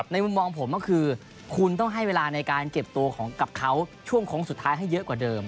มุมมองผมก็คือคุณต้องให้เวลาในการเก็บตัวกับเขาช่วงโค้งสุดท้ายให้เยอะกว่าเดิม